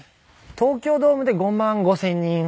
東京ドームで５万５０００人ほどですね。